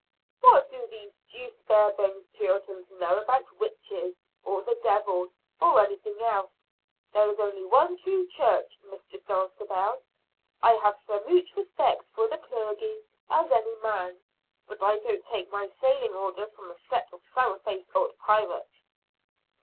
"What do these deuced Barebones Puritans know about witches, or the devil, or anything else? There is only one true church, Mistress Dulcibel. I have sa mooch respect for the clergy as any man; but I don't take my sailing orders from a set of sourfaced old pirates."